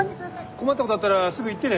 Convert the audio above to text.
困ったことがあったらすぐ言ってね。